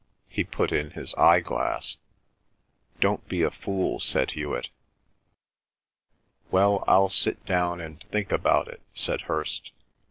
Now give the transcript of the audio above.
He put in his eyeglass. "Don't be a fool," said Hewet. "Well, I'll sit down and think about it," said Hirst.